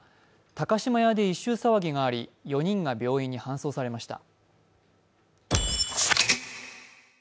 高島屋で異臭騒ぎがあり、４人が病院に搬送されました。